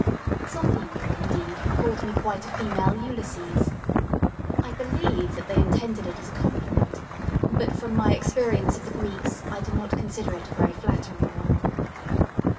Some people, indeed, have called me quite a female Ulysses. I believe that they intended it as a compliment; but from my experience of the Greeks, I do not consider it a very flattering one.